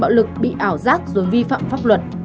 bạo lực bị ảo giác rồi vi phạm pháp luật